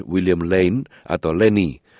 william lane atau lenny